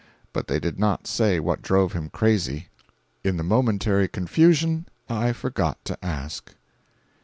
But they did not say what drove him crazy. In the momentary confusion, I forgot to ask.